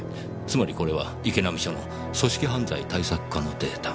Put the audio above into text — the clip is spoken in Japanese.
つまりこれは池波署の組織犯罪対策課のデータ。